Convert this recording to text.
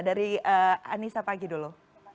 dari anissa pagi dulu